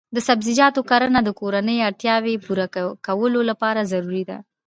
د سبزیجاتو کرنه د کورنیو اړتیاوو پوره کولو لپاره ضروري ده.